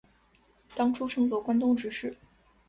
当初称作关东执事。